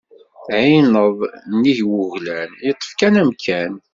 D iɛineḍ nnig n wuglan yeṭṭef kan amkan.